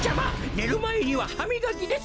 ねるまえにははみがきです。